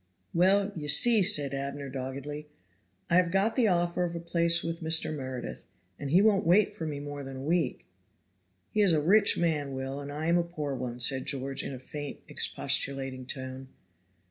"Well, ye see," said Abner, doggedly, "I have got the offer of a place with Mr. Meredith, and he won't wait for me more than a week." "He is a rich man, Will, and I am a poor one," said George in a faint, expostulating tone.